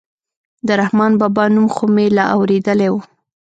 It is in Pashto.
د رحمان بابا نوم خو مې لا اورېدلى و.